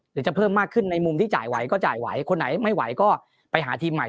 จะเพิ่มมากขึ้นในมุมที่จ่ายไหวก็จ่ายไหวคนไหนไม่ไหวก็ไปหาทีมใหม่